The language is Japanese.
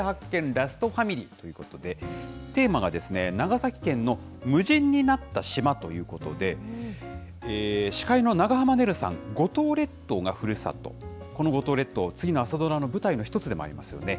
ラストファミリーということでテーマが、長崎県の無人になった島ということで、司会の長濱ねるさん、五島列島がふるさと、この五島列島、次の朝ドラの舞台の一つでもありますよね。